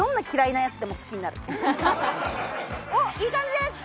おっいい感じです！